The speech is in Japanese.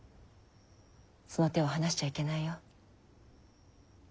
その手を離しちゃいけないよ。